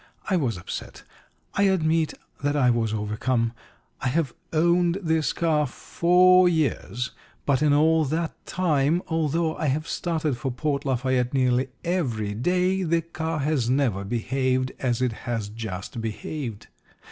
I was upset; I admit that I was overcome. I have owned this car four years, but in all that time, although I have started for Port Lafayette nearly every day, the car has never behaved as it has just behaved.